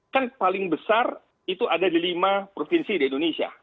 kan paling besar itu ada di lima provinsi di indonesia